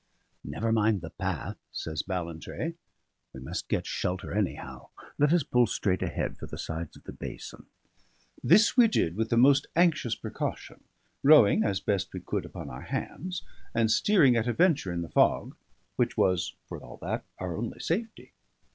"Never mind the path," says Ballantrae; "we must get shelter anyhow; let us pull straight ahead for the sides of the basin." This we did with the most anxious precaution, rowing, as best we could, upon our hands, and steering at a venture in the fog, which was (for all that) our only safety.